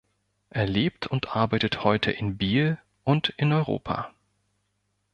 Er lebt und arbeitet heute in Biel und in Europa.